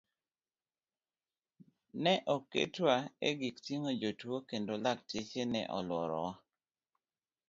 Ne oketwa e gik ting'o jotuo kendo lakteche ne oluorowa.